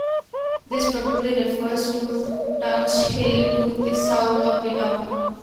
This probably refers to Tuach Hill to the south of the town.